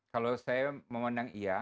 kalau saya memandang iya